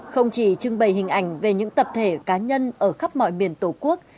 không chỉ trưng bày hình ảnh về những tập thể cá nhân ở khắp mọi miền tổ quốc